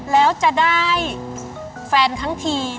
แล้วจะได้แฟนทั้งที